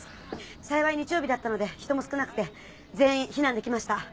幸い日曜日だったので人も少なくて全員避難できました。